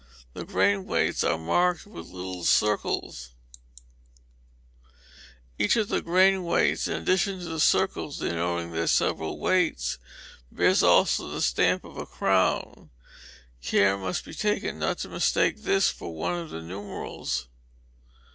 The grain weights are marked by little circles, thus: |o o| Five | o | Grains |o o| Each of the grain weights, in addition to the circles denoting their several weights, bears also the stamp of a crown. Care must be taken not to mistake this for one of the numerals.